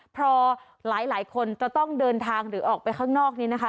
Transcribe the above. พอหลายคนจะต้องเดินทางหรือออกไปข้างนอกนี้นะคะ